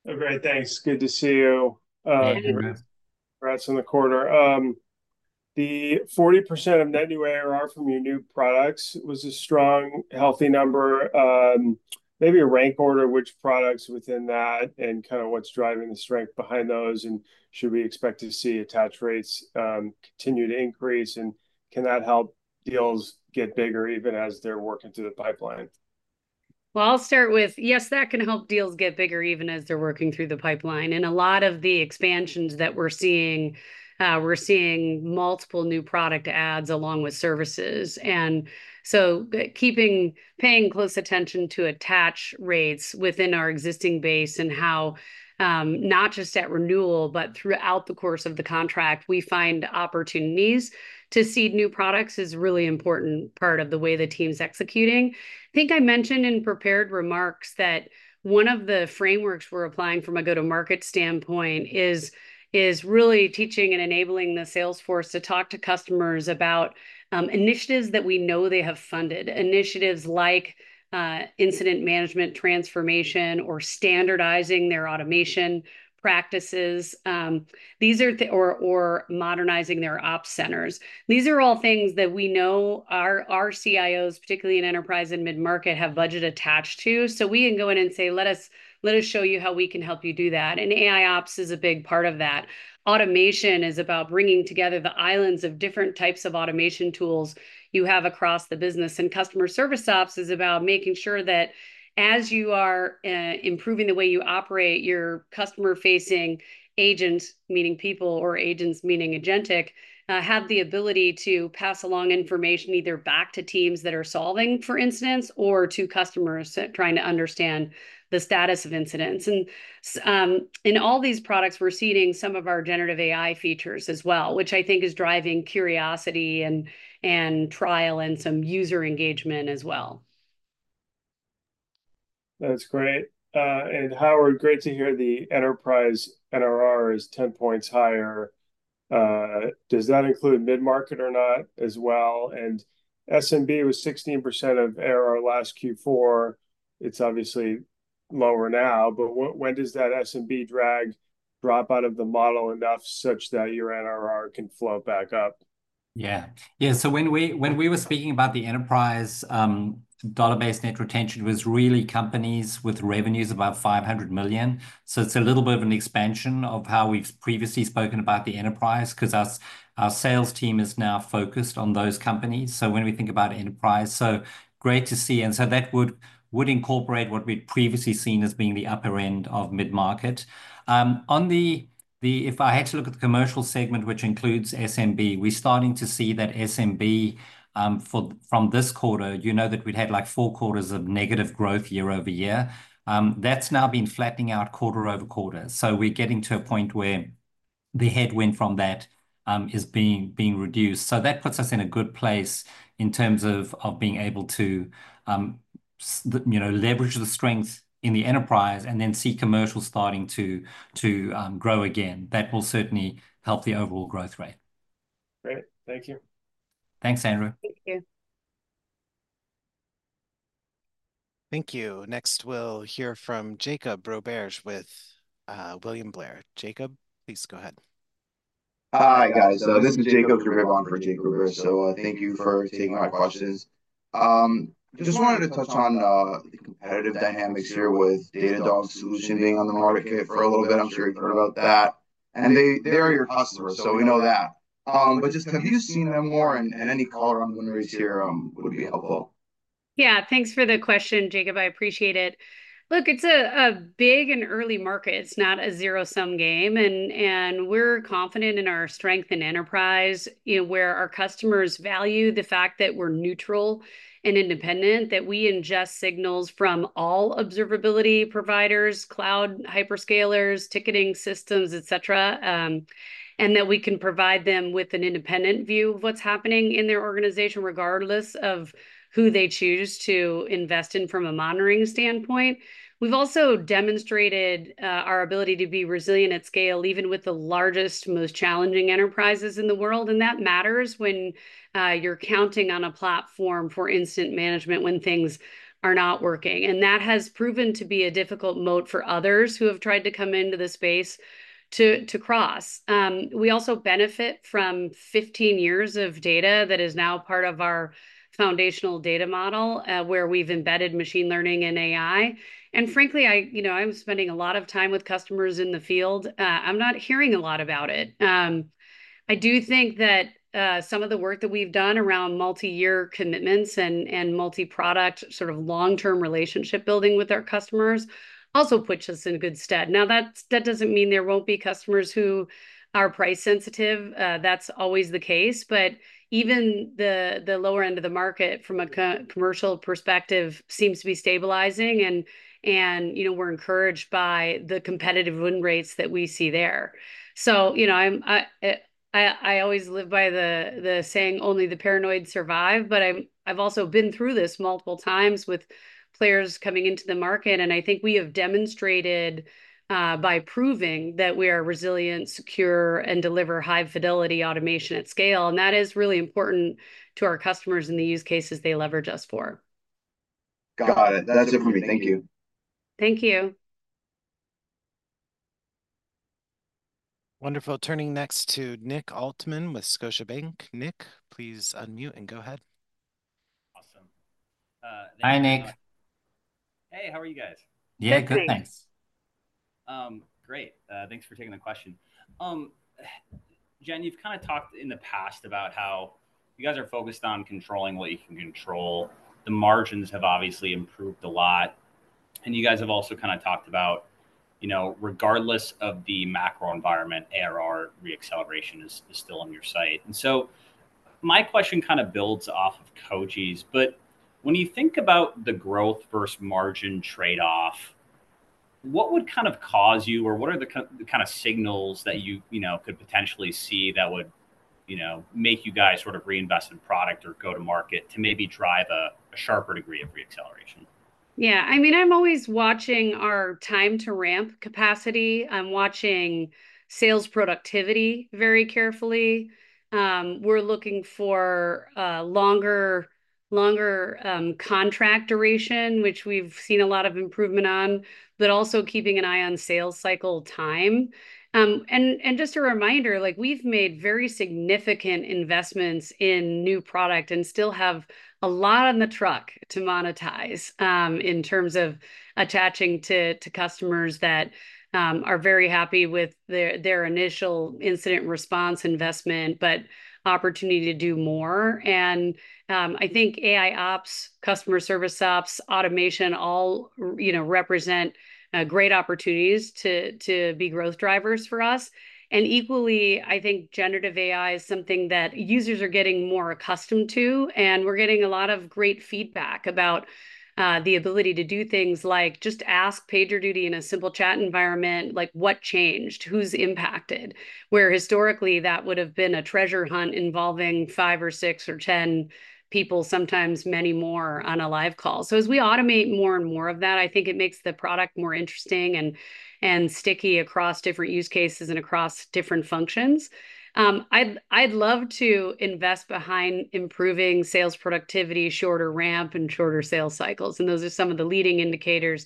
All right. Thanks. Good to see you. Thank you, Rhett. Rhett's in the corner. The 40% of net new ARR from your new products was a strong, healthy number. Maybe a rank order, which products within that and kind of what's driving the strength behind those? And should we expect to see attach rates continue to increase? And can that help deals get bigger even as they're working through the pipeline? I'll start with, yes, that can help deals get bigger even as they're working through the pipeline. A lot of the expansions that we're seeing multiple new product adds along with services. Paying close attention to attach rates within our existing base and how not just at renewal, but throughout the course of the contract, we find opportunities to see new products is a really important part of the way the team's executing. I think I mentioned in prepared remarks that one of the frameworks we're applying from a go-to-market standpoint is really teaching and enabling the salesforce to talk to customers about initiatives that we know they have funded, initiatives like Incident Management Transformation or standardizing their automation practices, or modernizing their ops centers. These are all things that we know our CIOs, particularly in enterprise and mid-market, have budget attached to. So we can go in and say, "Let us show you how we can help you do that." And AIOps is a big part of that. Automation is about bringing together the islands of different types of automation tools you have across the business. And customer service ops is about making sure that as you are improving the way you operate, your customer-facing agents, meaning people or agents, meaning agentic, have the ability to pass along information either back to teams that are solving, for instance, or to customers trying to understand the status of incidents. And in all these products, we're seeing some of our generative AI features as well, which I think is driving curiosity and trial and some user engagement as well. That's great, and Howard, great to hear the enterprise NRR is 10 points higher. Does that include mid-market or not as well, and SMB was 16% of ARR last Q4. It's obviously lower now, but when does that SMB drag drop out of the model enough such that your NRR can float back up? Yeah. Yeah. So when we were speaking about the enterprise dollar-based net retention, it was really companies with revenues of about $500 million. So it's a little bit of an expansion of how we've previously spoken about the enterprise because our sales team is now focused on those companies. So when we think about enterprise, so great to see. And so that would incorporate what we'd previously seen as being the upper end of mid-market. If I had to look at the commercial segment, which includes SMB, we're starting to see that SMB from this quarter, you know that we'd had like four quarters of negative growth year over year. That's now been flattening out quarter over quarter. So we're getting to a point where the headwind from that is being reduced. So that puts us in a good place in terms of being able to leverage the strength in the enterprise and then see commercial starting to grow again. That will certainly help the overall growth rate. Great. Thank you. Thanks, Andrew. Thank you. Thank you. Next, we'll hear from Jacob Roberge with William Blair. Jacob, please go ahead. Hi, guys. This is Jacob Roberge. So thank you for taking our questions. Just wanted to touch on the competitive dynamics here with Datadog Solution being on the market for a little bit. I'm sure you've heard about that. And they are your customers, so we know that. But just have you seen them more? And any color on win rates here would be helpful. Yeah. Thanks for the question, Jacob. I appreciate it. Look, it's a big and early market. It's not a zero-sum game, and we're confident in our strength in enterprise where our customers value the fact that we're neutral and independent, that we ingest signals from all observability providers, cloud hyperscalers, ticketing systems, etc., and that we can provide them with an independent view of what's happening in their organization regardless of who they choose to invest in from a monitoring standpoint. We've also demonstrated our ability to be resilient at scale, even with the largest, most challenging enterprises in the world, and that matters when you're counting on a platform for incident management when things are not working, and that has proven to be a difficult moat for others who have tried to come into the space to cross. We also benefit from 15 years of data that is now part of our foundational data model where we've embedded machine learning and AI. And frankly, I'm spending a lot of time with customers in the field. I'm not hearing a lot about it. I do think that some of the work that we've done around multi-year commitments and multi-product sort of long-term relationship building with our customers also puts us in a good stead. Now, that doesn't mean there won't be customers who are price-sensitive. That's always the case. But even the lower end of the market from a commercial perspective seems to be stabilizing. And we're encouraged by the competitive win rates that we see there. So I always live by the saying, "Only the paranoid survive," but I've also been through this multiple times with players coming into the market. I think we have demonstrated by proving that we are resilient, secure, and deliver high-fidelity automation at scale. That is really important to our customers and the use cases they leverage us for. Got it. That's it for me. Thank you. Thank you. Wonderful. Turning next to Nick Altman with Scotiabank. Nick, please unmute and go ahead. Awesome. Hi, Nick. Hey, how are you guys? Yeah, good. Thanks. Great. Thanks for taking the question. Jen, you've kind of talked in the past about how you guys are focused on controlling what you can control. The margins have obviously improved a lot. And you guys have also kind of talked about, regardless of the macro environment, ARR reacceleration is still on your sight. And so my question kind of builds off of Koji's. But when you think about the growth versus margin trade-off, what would kind of cause you or what are the kind of signals that you could potentially see that would make you guys sort of reinvest in product or go-to-market to maybe drive a sharper degree of reacceleration? Yeah. I mean, I'm always watching our time-to-ramp capacity. I'm watching sales productivity very carefully. We're looking for longer contract duration, which we've seen a lot of improvement on, but also keeping an eye on sales cycle time. And just a reminder, we've made very significant investments in new product and still have a lot on the truck to monetize in terms of attaching to customers that are very happy with their initial incident response investment, but opportunity to do more. And I think AIOps, customer service ops, automation all represent great opportunities to be growth drivers for us. And equally, I think generative AI is something that users are getting more accustomed to. We're getting a lot of great feedback about the ability to do things like just ask PagerDuty in a simple chat environment, like what changed, who's impacted, where historically that would have been a treasure hunt involving five or six or 10 people, sometimes many more on a live call. As we automate more and more of that, I think it makes the product more interesting and sticky across different use cases and across different functions. I'd love to invest behind improving sales productivity, shorter ramp, and shorter sales cycles. Those are some of the leading indicators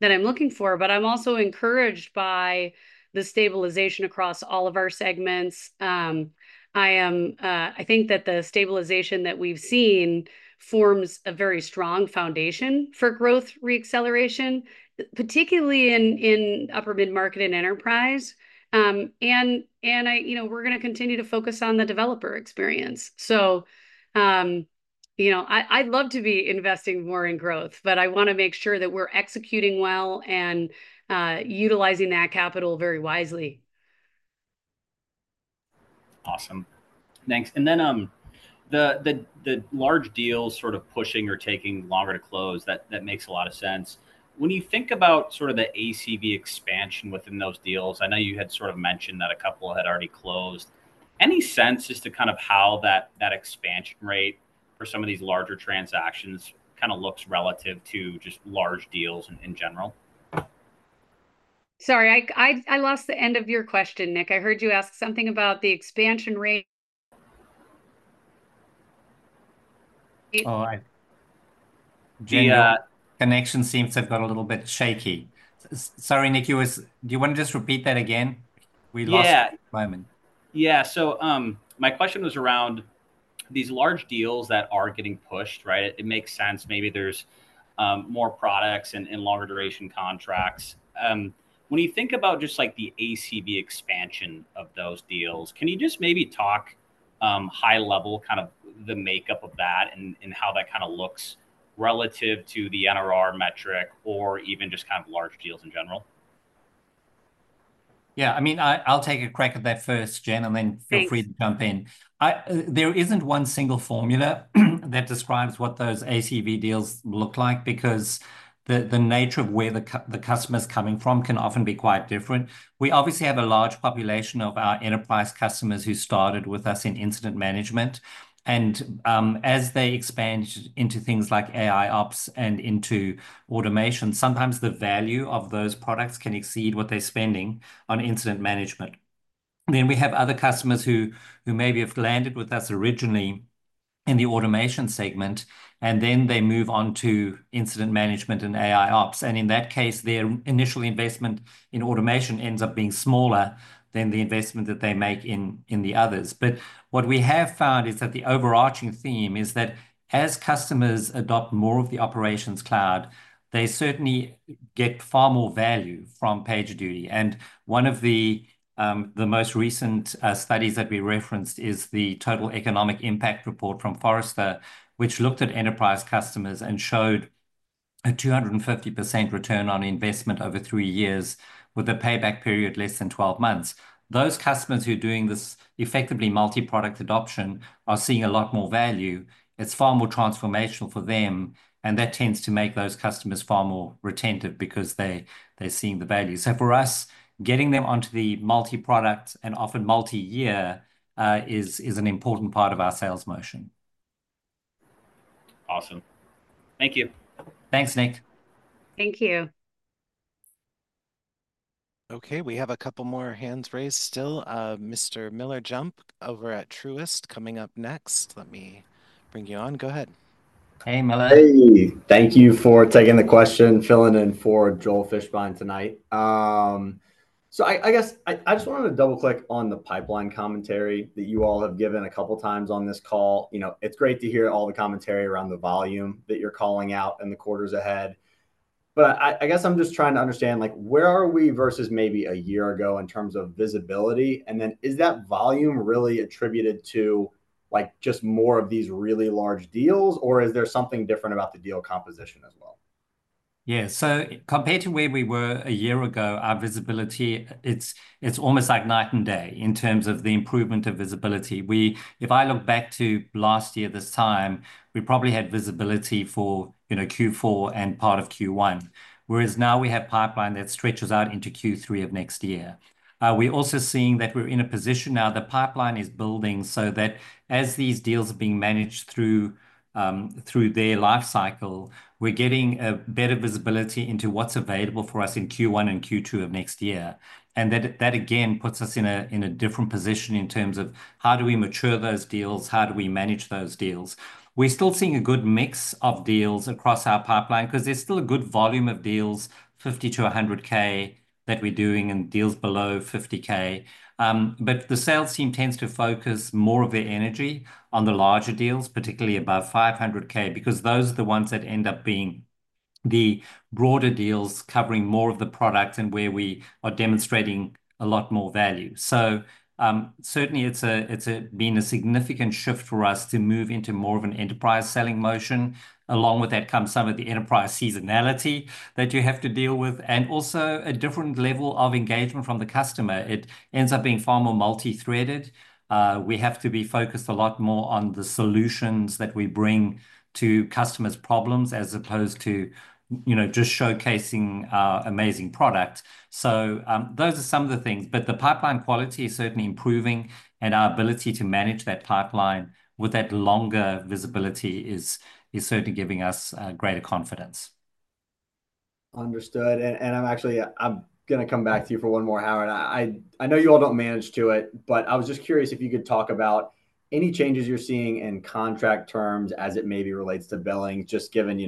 that I'm looking for. I'm also encouraged by the stabilization across all of our segments. I think that the stabilization that we've seen forms a very strong foundation for growth reacceleration, particularly in upper mid-market and enterprise. We're going to continue to focus on the developer experience. I'd love to be investing more in growth, but I want to make sure that we're executing well and utilizing that capital very wisely. Awesome. Thanks. And then the large deals sort of pushing or taking longer to close, that makes a lot of sense. When you think about sort of the ACV expansion within those deals, I know you had sort of mentioned that a couple had already closed. Any sense as to kind of how that expansion rate for some of these larger transactions kind of looks relative to just large deals in general? Sorry, I lost the end of your question, Nick. I heard you ask something about the expansion rate. Oh, connection seems to have got a little bit shaky. Sorry, Nick, do you want to just repeat that again? We lost you for a moment. Yeah, so my question was around these large deals that are getting pushed, right? It makes sense. Maybe there's more products and longer duration contracts. When you think about just the ACV expansion of those deals, can you just maybe talk high-level kind of the makeup of that and how that kind of looks relative to the NRR metric or even just kind of large deals in general? Yeah. I mean, I'll take a crack at that first, Jen, and then feel free to jump in. There isn't one single formula that describes what those ACV deals look like because the nature of where the customer's coming from can often be quite different. We obviously have a large population of our enterprise customers who started with us in incident management, and as they expand into things like AIOps and into automation, sometimes the value of those products can exceed what they're spending on incident management, then we have other customers who maybe have landed with us originally in the automation segment, and then they move on to incident management and AIOps, and in that case, their initial investment in automation ends up being smaller than the investment that they make in the others. But what we have found is that the overarching theme is that as customers adopt more of the Operations Cloud, they certainly get far more value from PagerDuty. And one of the most recent studies that we referenced is the Total Economic Impact Report from Forrester, which looked at enterprise customers and showed a 250% return on investment over three years with a payback period less than 12 months. Those customers who are doing this effectively multi-product adoption are seeing a lot more value. It's far more transformational for them. And that tends to make those customers far more retentive because they're seeing the value. So for us, getting them onto the multi-product and often multi-year is an important part of our sales motion. Awesome. Thank you. Thanks, Nick. Thank you. Okay. We have a couple more hands raised still. Mr. Miller Jump over at Truist coming up next. Let me bring you on. Go ahead. Hey, Miller. Hey. Thank you for taking the question, filling in for Joel Fishbein tonight. So I guess I just wanted to double-click on the pipeline commentary that you all have given a couple of times on this call. It's great to hear all the commentary around the volume that you're calling out in the quarters ahead. But I guess I'm just trying to understand where are we versus maybe a year ago in terms of visibility? And then is that volume really attributed to just more of these really large deals, or is there something different about the deal composition as well? Yeah. So compared to where we were a year ago, our visibility, it's almost like night and day in terms of the improvement of visibility. If I look back to last year, this time, we probably had visibility for Q4 and part of Q1, whereas now we have pipeline that stretches out into Q3 of next year. We're also seeing that we're in a position now the pipeline is building so that as these deals are being managed through their life cycle, we're getting a better visibility into what's available for us in Q1 and Q2 of next year. And that, again, puts us in a different position in terms of how do we mature those deals? How do we manage those deals? We're still seeing a good mix of deals across our pipeline because there's still a good volume of deals, $50K-$100K that we're doing and deals below $50K. But the sales team tends to focus more of their energy on the larger deals, particularly above $500K, because those are the ones that end up being the broader deals covering more of the products and where we are demonstrating a lot more value. So certainly, it's been a significant shift for us to move into more of an enterprise selling motion. Along with that comes some of the enterprise seasonality that you have to deal with and also a different level of engagement from the customer. It ends up being far more multi-threaded. We have to be focused a lot more on the solutions that we bring to customers' problems as opposed to just showcasing our amazing product. Those are some of the things. The pipeline quality is certainly improving, and our ability to manage that pipeline with that longer visibility is certainly giving us greater confidence. Understood. And I'm actually going to come back to you for one more, Howard. I know you all don't manage to it, but I was just curious if you could talk about any changes you're seeing in contract terms as it maybe relates to billing, just given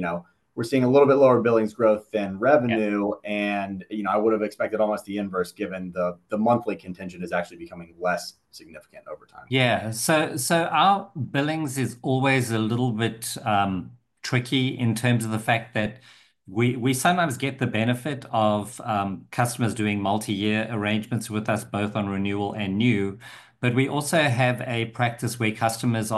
we're seeing a little bit lower billings growth than revenue. And I would have expected almost the inverse given the monthly contingent is actually becoming less significant over time. Yeah. So our billings is always a little bit tricky in terms of the fact that we sometimes get the benefit of customers doing multi-year arrangements with us, both on renewal and new. But we also have a practice where customers,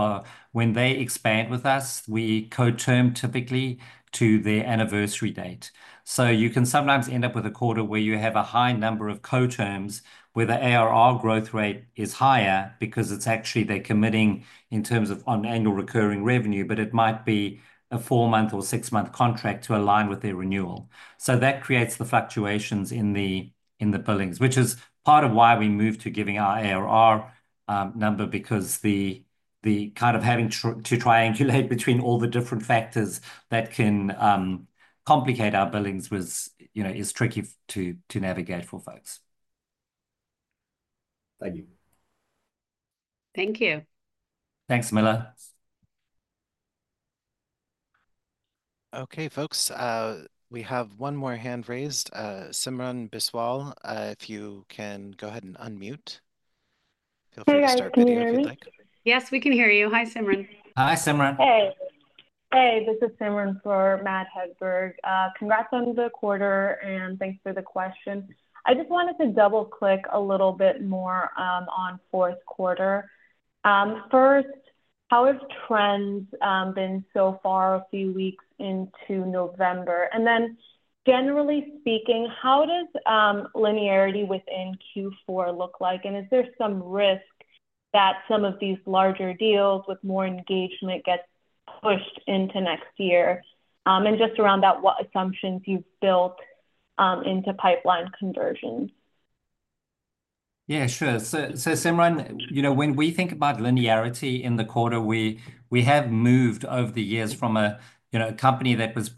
when they expand with us, we co-term typically to their anniversary date. So you can sometimes end up with a quarter where you have a high number of co-terms where the ARR growth rate is higher because it's actually they're committing in terms of on annual recurring revenue, but it might be a four-month or six-month contract to align with their renewal. So that creates the fluctuations in the billings, which is part of why we moved to giving our ARR number because the kind of having to triangulate between all the different factors that can complicate our billings is tricky to navigate for folks. Thank you. Thank you. Thanks, Miller. Okay, folks, we have one more hand raised. Simran Biswal, if you can go ahead and unmute. Feel free to start with you if you'd like. Yes, we can hear you. Hi, Simran. Hi, Simran. Hey. Hey, this is Simran for Matt Hedberg. Congrats on the quarter, and thanks for the question. I just wanted to double-click a little bit more on fourth quarter. First, how have trends been so far a few weeks into November? And then generally speaking, how does linearity within Q4 look like? And is there some risk that some of these larger deals with more engagement get pushed into next year? And just around that, what assumptions you've built into pipeline conversions? Yeah, sure. So, Simran, when we think about linearity in the quarter, we have moved over the years from a company that was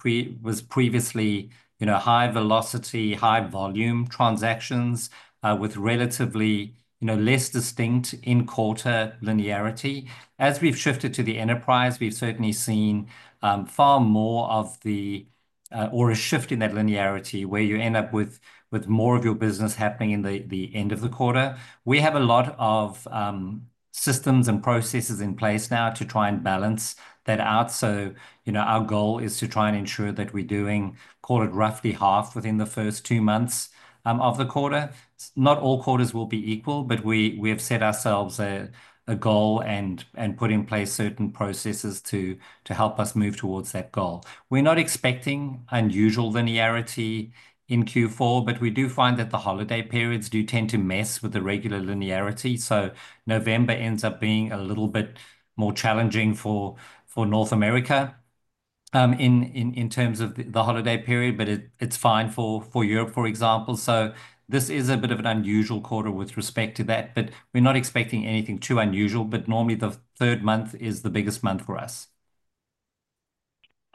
previously high velocity, high volume transactions with relatively less distinct in-quarter linearity. As we've shifted to the enterprise, we've certainly seen far more of a shift in that linearity where you end up with more of your business happening in the end of the quarter. We have a lot of systems and processes in place now to try and balance that out. So our goal is to try and ensure that we're doing quarter roughly half within the first two months of the quarter. Not all quarters will be equal, but we have set ourselves a goal and put in place certain processes to help us move towards that goal. We're not expecting unusual linearity in Q4, but we do find that the holiday periods do tend to mess with the regular linearity. So November ends up being a little bit more challenging for North America in terms of the holiday period, but it's fine for Europe, for example. So this is a bit of an unusual quarter with respect to that, but we're not expecting anything too unusual. But normally, the third month is the biggest month for us.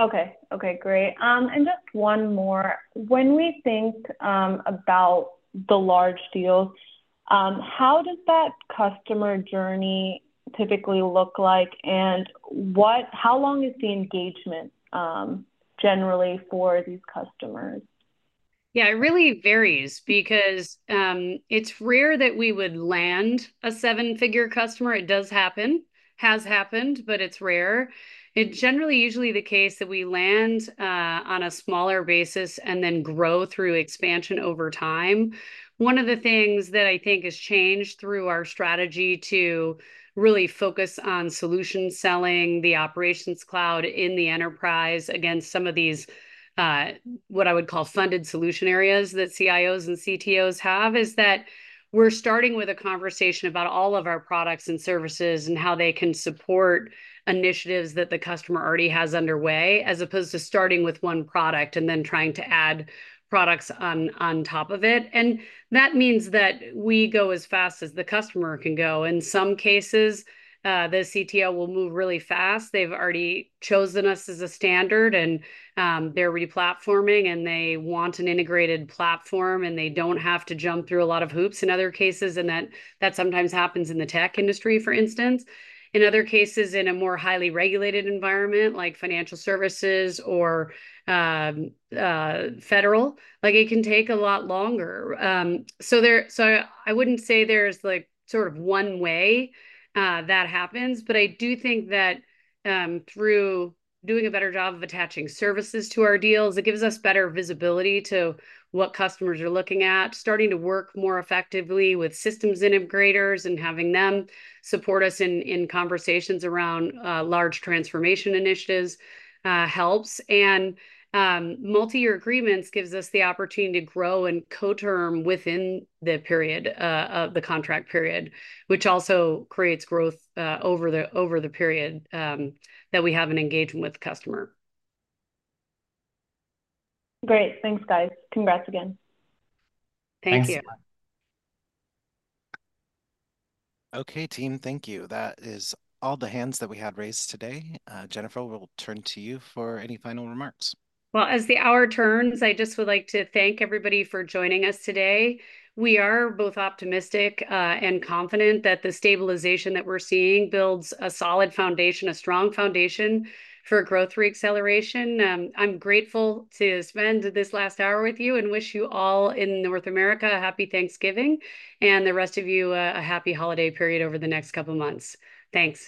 Okay. Okay, great. And just one more. When we think about the large deals, how does that customer journey typically look like? And how long is the engagement generally for these customers? Yeah, it really varies because it's rare that we would land a seven-figure customer. It does happen, has happened, but it's rare. It's generally usually the case that we land on a smaller basis and then grow through expansion over time. One of the things that I think has changed through our strategy to really focus on solution selling, the operations cloud in the enterprise against some of these what I would call funded solution areas that CIOs and CTOs have is that we're starting with a conversation about all of our products and services and how they can support initiatives that the customer already has underway as opposed to starting with one product and then trying to add products on top of it. And that means that we go as fast as the customer can go. In some cases, the CTO will move really fast. They've already chosen us as a standard, and they're replatforming, and they want an integrated platform, and they don't have to jump through a lot of hoops in other cases. And that sometimes happens in the tech industry, for instance. In other cases, in a more highly regulated environment like financial services or federal, it can take a lot longer. So I wouldn't say there's sort of one way that happens, but I do think that through doing a better job of attaching services to our deals, it gives us better visibility to what customers are looking at, starting to work more effectively with systems integrators and having them support us in conversations around large transformation initiatives helps. And multi-year agreements gives us the opportunity to grow and co-term within the contract period, which also creates growth over the period that we have an engagement with the customer. Great. Thanks, guys. Congrats again. Thank you. Okay, team, thank you. That is all the hands that we had raised today. Jennifer, we'll turn to you for any final remarks. As the hour turns, I just would like to thank everybody for joining us today. We are both optimistic and confident that the stabilization that we're seeing builds a solid foundation, a strong foundation for growth reacceleration. I'm grateful to spend this last hour with you and wish you all in North America a happy Thanksgiving and the rest of you a happy holiday period over the next couple of months. Thanks.